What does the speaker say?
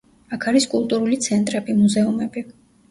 აქ არის კულტურული ცენტრები, მუზეუმები.